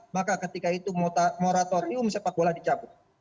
maka ketika itu moratorium sepak bola dicabut